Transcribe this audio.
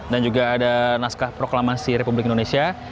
dan juga ada naskah proklamasi republik indonesia